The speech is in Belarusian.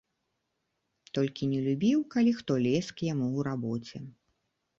Толькі не любіў, калі хто лез к яму ў рабоце.